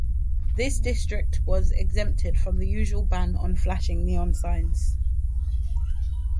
This district was exempted from the usual ban on flashing neon signs.